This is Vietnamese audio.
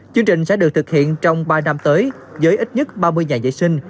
chương trình sẽ được thực hiện trong ba năm tới với ít nhất ba mươi nhà vệ sinh